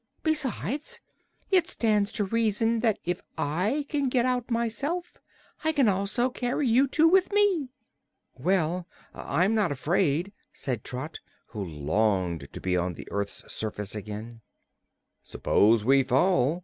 Besides, it stands to reason that if I can get out myself I can also carry you two with me." "Well, I'm not afraid," said Trot, who longed to be on the earth's surface again. "S'pose we fall?"